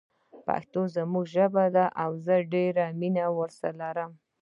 پښتو زموږ ژبه ده او زه ډیره مینه ورسره لرم